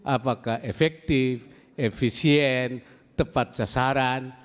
apakah efektif efisien tepat sasaran